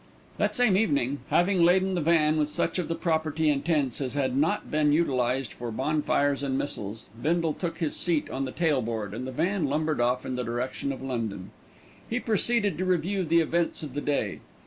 That same evening, having laden the van with such of the property and tents as had not been utilised for bonfires and missiles, Bindle took his seat on the tail board, and the van lumbered off in the direction of London. He proceeded to review the events of the day.